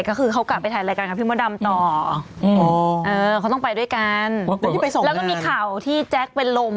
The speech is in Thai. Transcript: ก็ฉันไปถ่ายรายการแล้ววุ้นเศษยังนั่งกินข้าวอยู่